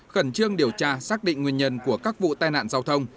khẩn trương điều tra xác định nguyên nhân của các vụ tai nạn giao thông